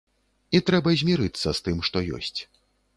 І трэба змірыцца з тым, што ёсць.